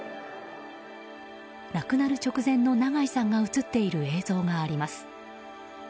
亡くなる直前の長井さんが映っている映像があります。